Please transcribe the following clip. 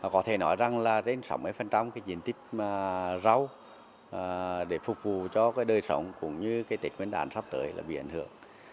có thể nói rằng là đến sáu mươi diện tích rau để phục vụ cho đời sống cũng như tịch nguyên đàn sắp tới bị ảnh hưởng